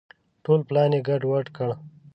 ټول پلان یې ګډ وډ کړ.